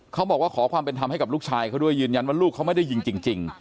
เขาบอกว่าขอความเป็นธรรมให้กับลูกชายเขาด้วยยืนยันว่าลูกเขาไม่ได้ยิงจริง